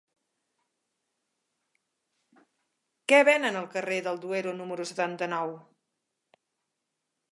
Què venen al carrer del Duero número setanta-nou?